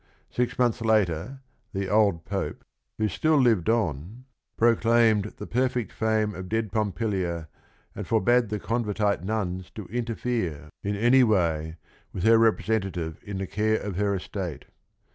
Six months later, the old Pope, who still lived on, again proclaimed "the perfect fame of dead Pompilia," and for bade the Convertite nuns to interfere, in any THE BOOK AND THE RING 209 way, with her representative in the care of her estate.